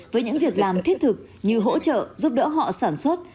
với những việc làm thiết thực như hỗ trợ giúp đỡ họ sản xuất